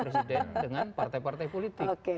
presiden dengan partai partai politik